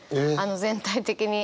全体的に。